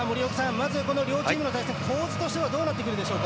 まずこの両チームの対戦構図としてはどうなってくるでしょうか？